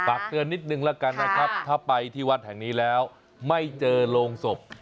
เตือนนิดนึงแล้วกันนะครับถ้าไปที่วัดแห่งนี้แล้วไม่เจอโรงศพ